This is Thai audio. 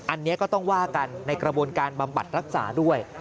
อันนี้ก็ต้องว่ากันในกระบวนการบำบัดรักษาด้วย